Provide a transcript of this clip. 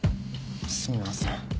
すみません。